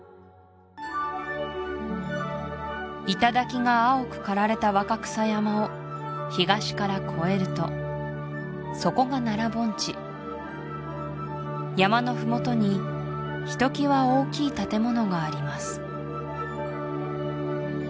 頂が青く刈られた若草山を東から越えるとそこが奈良盆地山のふもとにひときわ大きい建物があります